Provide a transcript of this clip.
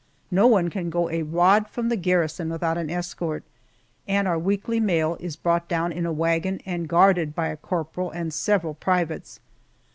No one can go a rod from the garrison without an escort, and our weekly mail is brought down in a wagon and guarded by a corporal and several privates.